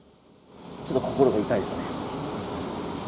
ちょっと心が痛いですね。